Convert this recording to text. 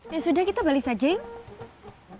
ya sudah kita balik saja ya